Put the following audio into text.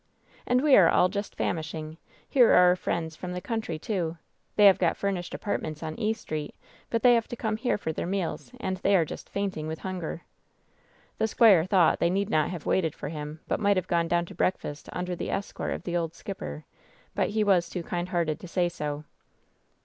"And we are all just famishing. Here are our friends from the country, too. They have got furnished apart ments on E Street, but they have to come here for their meals, and they are just fainting with hunger." The squire thought they need not have waited for him, but might have gone down to breakfast imder the escort of the old skipper, but he was too kind hearted to say so.